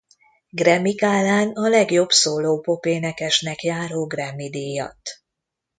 Grammy-gálán a legjobb szóló popénekesnek járó Grammy-díjat.